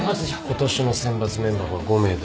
今年の選抜メンバーは５名だ。